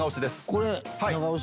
これ長押し。